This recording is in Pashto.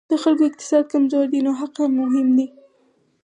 د خلکو اقتصاد کمزوری دی نو حق مهم دی.